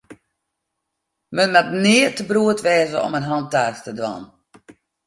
Men moat nea te beroerd wêze om in hantaast te dwaan.